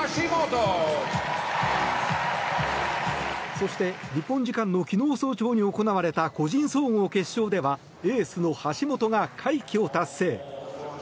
そして日本時間の昨日早朝に行われた個人総合決勝ではエースの橋本が快挙を達成。